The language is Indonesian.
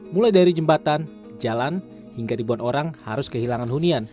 mulai dari jembatan jalan hingga ribuan orang harus kehilangan hunian